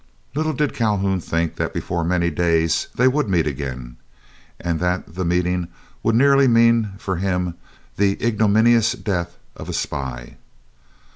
Little did Calhoun think that before many days they would meet again, and that that meeting would nearly mean for him the ignominious death of a spy.